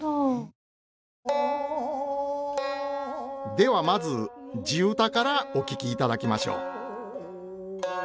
ではまず地唄からお聴きいただきましょう。